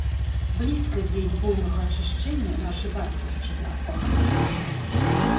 Блізка дзень поўнага ачышчэння нашай бацькаўшчыны ад паганых чужынцаў.